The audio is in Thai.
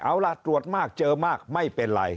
เอาล่ะตรวจมากเจอมากไม่เป็นไร